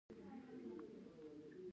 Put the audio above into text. ډېر دقیق اداري جوړښتونه یې رامنځته کړل.